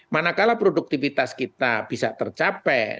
manakala produktivitas kita bisa tercapai